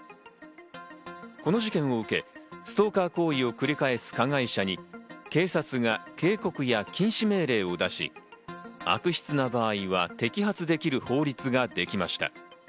この事件を受け、ストーカー行為を繰り返す加害者に警察が警告や禁止命令を出し、悪質な場合は摘発できる法律ができました。